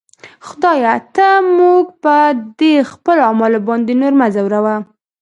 خدایه! ته موږ په دې خپلو اعمالو باندې نور مه ځوروه.